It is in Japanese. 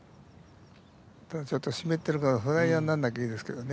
ただちょっと湿ってるからフライヤーになんなきゃいいですけどね。